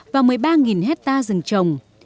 và một mươi ba hectare rừng trồng